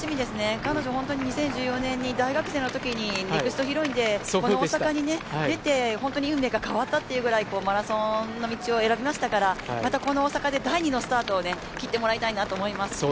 彼女、２０１４年に大学生の時にネクストヒロインでこの大阪に出て出て、ほんとに運命が変わったというぐらいマラソンの道を選びましたからまたこの大阪で第２のスタートを切ってもらいたいなと思います。